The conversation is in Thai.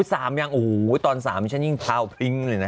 สามอย่างโอ้โหตอน๓ฉันยิ่งพาวพริ้งเลยนะ